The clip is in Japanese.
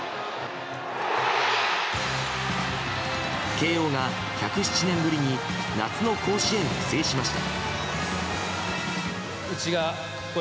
慶應が１０７年ぶりに夏の甲子園を制しました。